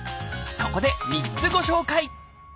そこで３つご紹介！